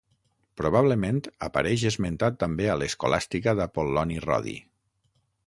Probablement apareix esmentat també a l'escolàstica d'Apol·loni Rodi.